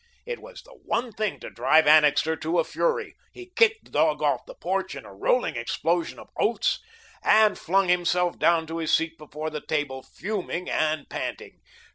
It was the one thing to drive Annixter to a fury. He kicked the dog off the porch in a rolling explosion of oaths, and flung himself down to his seat before the table, fuming and panting.